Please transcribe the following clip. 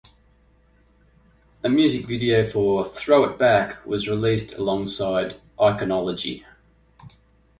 A music video for "Throw It Back" was released alongside "Iconology".